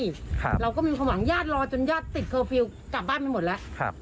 ครับเราก็มีความหวังญาติรอจนญาติติดเคอร์ฟิลล์กลับบ้านไปหมดแล้วครับ